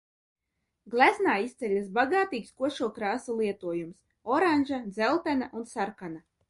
Gleznā izceļas bagātīgs košo krāsu lietojums – oranža, dzeltena un sarkana.